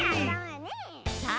さあ